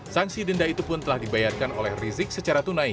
sanksi denda itu pun telah dibayarkan oleh rizik secara tunai